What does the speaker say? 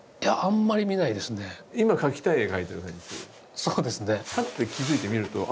そうですね。